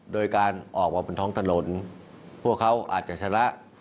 โดยการออกมาบนท้องถนนพวกเขาอาจจะชนะ